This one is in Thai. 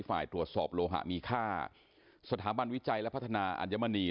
ฝ่ายตรวจสอบโลหะมีค่าสถาบันวิจัยและพัฒนาอัญมณี